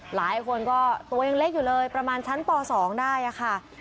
หลายคนก็ตัวยังเล็กอยู่เลยประมาณชั้นป๒ได้ค่ะ